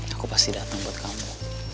aku pasti datang buat kamu